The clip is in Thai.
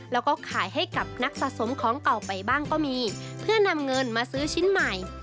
แล้วก็ขายให้กับนักสะสมของเก่าไปบ้างก็มีเพื่อนำเงินมาซื้อชิ้นใหม่